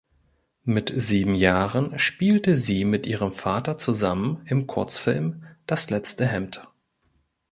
Mit sieben Jahren spielte sie mit ihrem Vater zusammen im Kurzfilm "Das letzte Hemd".